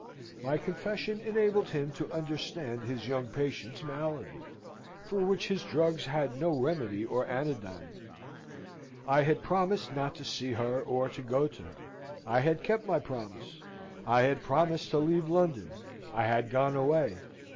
My confession enabled him to understand his young patient's malady; for which his drugs had no remedy or anodyne. I had promised not to see her, or to go to her: I had kept my promise. I had promised to leave London: I had gone away.